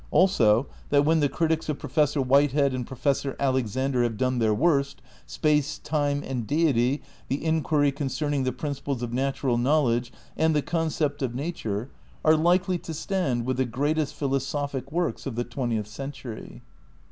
Also that when the critics of Professor White head and Professor Alexander have done their worst, Space, Time cmd Deity, the Enquiry Concerning the Principles of Natural Knowledge and The Concept of Nature are likely to stand with the greatest philosophic works of the twentieth century.